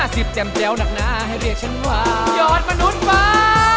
สิบแจ่มแจ้วหนักหนาให้เรียกฉันว่ายอดมนุษย์ว้า